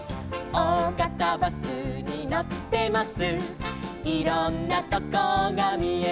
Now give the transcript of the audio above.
「おおがたバスに乗ってます」